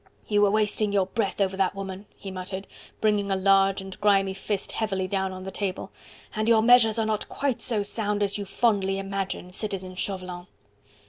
"You were wasting your breath over that woman," he muttered, bringing a large and grimy fist heavily down on the table, "and your measures are not quite so sound as your fondly imagine, Citizen Chauvelin."